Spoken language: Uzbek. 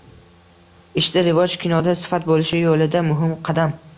Ishda rivoj, kinoda sifat bo‘lishi yo‘lida muhim qadam